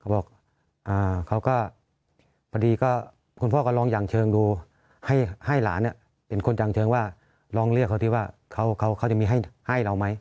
เขาบอกอ่าเขาก็พอดีก็คุณพ่อก็ลองอย่างเชิงดูให้ให้หลานเนี้ยเป็นคนอย่างเชิงว่าลองเรียกเขาที่ว่าเขาเขาเขาจะมีให้ให้เราไหม